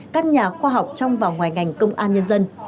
các nhà khoa học trong và ngoài ngành công an nhân dân